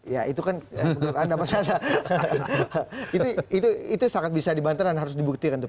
ya itu kan benar anda pak itu sangat bisa dibantar dan harus dibuktikan